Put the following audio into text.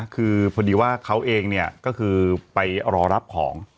คือพอดีว่าเขาเองเนี่ยก็คือไปรอรับของ